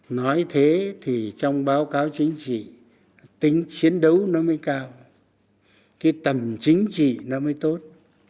nói thế thì trong báo cáo chính trị tính chiến đấu nó mới cao cái tầm chính trị nó mới tốt